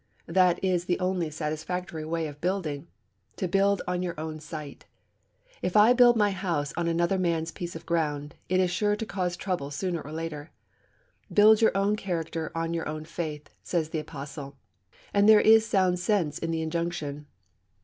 That is the only satisfactory way of building to build on your own site. If I build my house on another man's piece of ground, it is sure to cause trouble sooner or later. Build your own character on your own faith, says the apostle; and there is sound sense in the injunction.